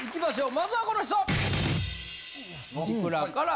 まずはこの人！